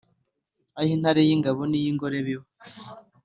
aho intare y’ingabo n’iy’ingore biba